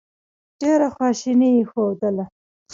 ډېره خواشیني یې ښودله.